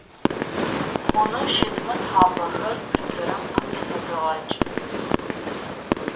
Хъунэу щытмэ тхьапэхэр принтерым къысфыдэгъэкӏ.